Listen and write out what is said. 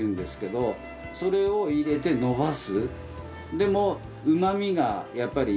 でも。